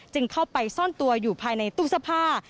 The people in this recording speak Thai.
จึงเข้าไปซ่อนตัวอยู่ภายในตู้สภา